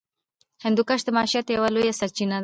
هندوکش د معیشت یوه لویه سرچینه ده.